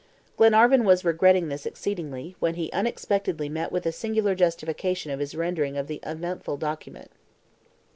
Glenarvan was regretting this exceedingly, when he unexpectedly met with a singular justification of his rendering of the eventful document.